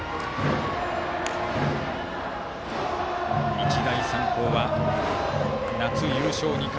日大三高は、夏優勝２回。